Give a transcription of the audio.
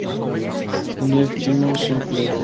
Il est actuellement sans club.